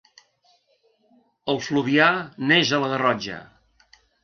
El Fluvià neix a la Garrotxa.